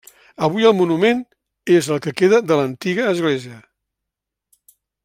Avui el monument és el que queda de l'antiga església.